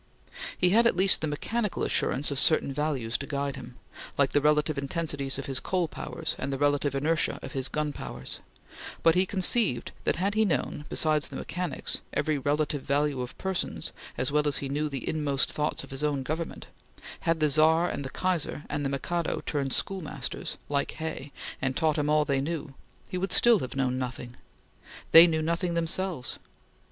He had, at least, the mechanical assurance of certain values to guide him like the relative intensities of his Coal powers, and relative inertia of his Gun powers but he conceived that had he known, besides the mechanics, every relative value of persons, as well as he knew the inmost thoughts of his own Government had the Czar and the Kaiser and the Mikado turned schoolmasters, like Hay, and taught him all they knew, he would still have known nothing. They knew nothing themselves.